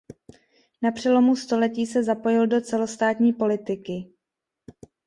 Na přelomu století se zapojil do celostátní politiky.